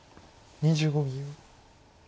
２５秒。